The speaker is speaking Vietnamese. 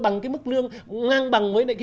bằng cái mức lương ngang bằng với